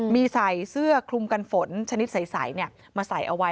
มีใส่เสื้อคลุมกันฝนชนิดใสมาใส่เอาไว้